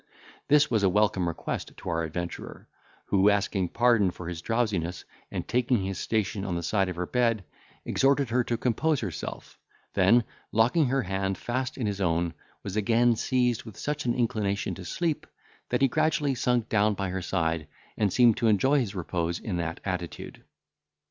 This was a welcome request to our adventurer, who, asking pardon for his drowsiness, and taking his station on the side of her bed, exhorted her to compose herself; then locking her hand fast in his own, was again seized with such an inclination to sleep, that he gradually sunk down by her side, and seemed to enjoy his repose in that attitude.